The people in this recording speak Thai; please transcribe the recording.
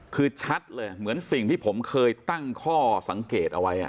คือชัดเลยเหมือนสิ่งที่ผมเคยตั้งข้อสังเกตเอาไว้